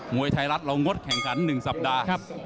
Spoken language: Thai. วยไทยรัฐเรางดแข่งขัน๑สัปดาห์